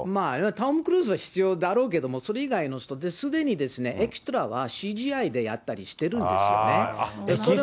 トム・クルーズは必要だろうけど、それ以外の人、すでにエキストラはＣＧでやったりしてるんですよね。